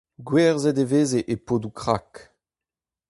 Gwerzhet e veze e podoù krag.